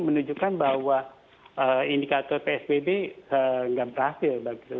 ini menunjukkan bahwa indikator psbb tidak berhasil